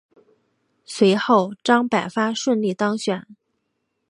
随后张百发顺利当选。